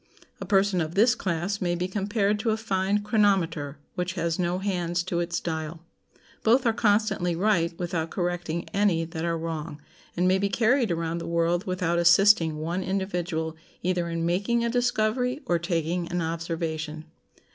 A person of this class may be compared to a fine chronometer which has no hands to its dial; both are constantly right without correcting any that are wrong, and may be carried around the world without assisting one individual either in making a discovery or taking an observation.